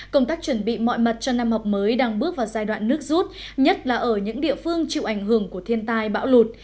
công tác chuẩn bị mọi mặt cho năm học mới đang bước vào giai đoạn nước rút nhất là ở những địa phương chịu ảnh hưởng của thiên tai bão lụt